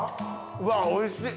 うわおいしい！